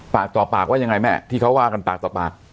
ปากต่อปากว่ายังไงแม่ที่เขาว่ากันปากต่อปาก